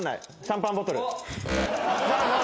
シャンパンボトル。